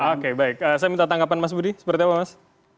oke baik saya minta tanggapan mas budi seperti apa mas